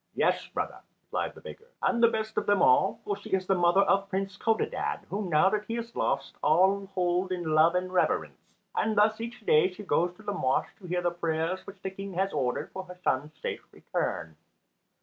"Yes, brother," replied the beggar, "and the best of them all; for she is the mother of Prince Codadad, whom, now that he is lost, all hold in love and reverence. And thus each day she goes to the mosque to hear the prayers which the King has ordered for her son's safe return."